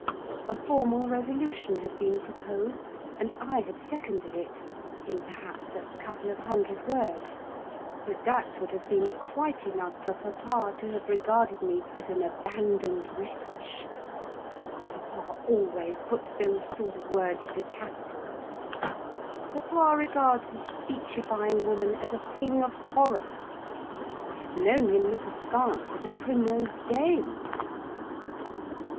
A formal resolution had been proposed, and I had seconded it, in perhaps a couple of hundred words; but that would have been quite enough for papa to have regarded me as an Abandoned Wretch, papa always puts those sort of words into capitals. Papa regards a speechifying woman as a thing of horror, I have known him look askance at a Primrose Dame.